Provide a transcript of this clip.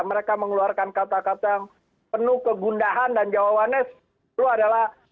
mereka mengeluarkan kata kata yang penuh kegundahan dan jawabannya dulu adalah